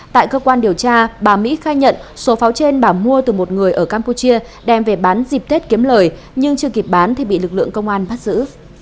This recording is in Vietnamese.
tại cơ quan điều tra bà mỹ khai nhận số pháo trên bà mua từ một người ở campuchia đem về bán dịp tết kiếm lời nhưng chưa kịp bán thì bị lực lượng công an bắt giữ